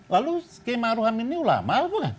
lalu skema aruhan ini ulama apa kan